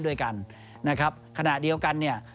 ด้วยกันนะครับขณะเดียวกันเนี่ย